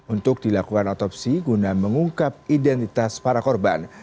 untuk dilakukan otopsi guna mengungkap identitas para korban